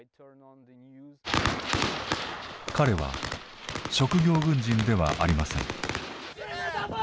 彼は職業軍人ではありません。